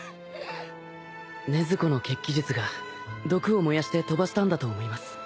禰豆子の血鬼術が毒を燃やして飛ばしたんだと思います。